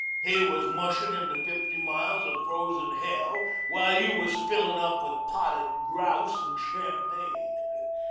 He was mushin' into fifty miles of frozen hell while you was fillin' up with potted grouse and champagne.